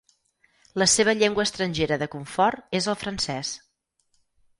La seva llengua estrangera de confort és el francès.